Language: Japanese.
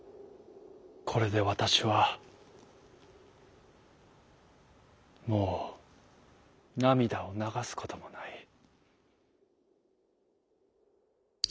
「これでわたしはもうなみだをながすこともない」。